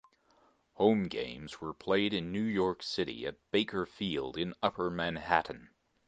Home games were played in New York City at Baker Field in Upper Manhattan.